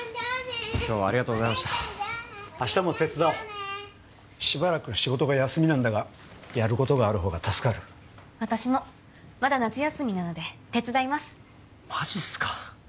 今日はありがとうございました明日も手伝おうしばらく仕事が休みなんだがやることがあるほうが助かる私もまだ夏休みなので手伝いますマジっすか？